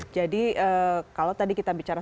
jadi kalau tadi kita bicara